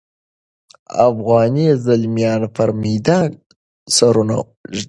افغاني زلمیان پر میدان سرونه ږدي.